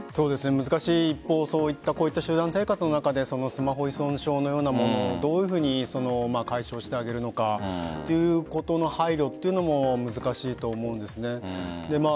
難しい一方そういった集団生活の中でスマホ依存症のようなものをどういうふうに解消してあげるのかということの配慮というのも難しいと思うんです。